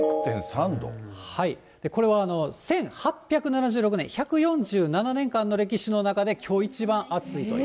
これは１８７６年、１４７年間の歴史の中で、きょう一番暑いと。